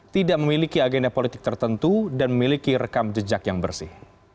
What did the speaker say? tidak memiliki agenda politik tertentu dan memiliki rekam jejak yang bersih